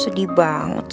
sedih banget sih